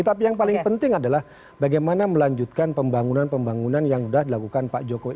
tapi yang paling penting adalah bagaimana melanjutkan pembangunan pembangunan yang sudah dilakukan pak jokowi